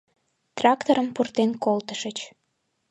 Тракторым пуртен колтышыч...